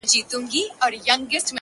هغه نجلۍ مي اوس پوښتنه هر ساعت کوي!!